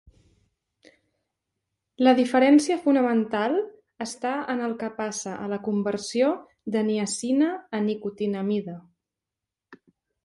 La diferència fonamental està en el que passa a la conversió de niacina a nicotinamida.